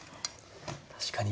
確かに。